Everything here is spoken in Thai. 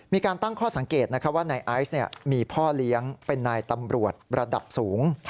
มีการตั้งข้อสังเกตว่านายไอซ์มีพ่อเลี้ยงเป็นนายตำรวจระดับสูง